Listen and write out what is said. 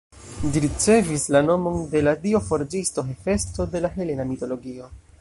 Ĝi ricevis la nomon de la dio forĝisto Hefesto, de la helena mitologio.